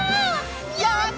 やった！